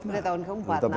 sudah tahun keempat